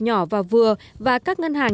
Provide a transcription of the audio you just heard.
nhỏ và vừa và các ngân hàng